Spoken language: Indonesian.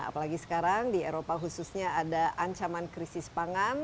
apalagi sekarang di eropa khususnya ada ancaman krisis pangan